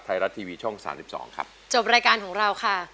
ไทยรัฐทีวีช่องสามสิบสองครับจบรายการของเราค่ะ